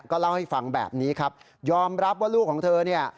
เล่าให้ฟังแบบนี้ครับยอมรับว่าลูกของเธอเนี่ย